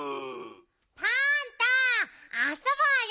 パンタあそぼうよ。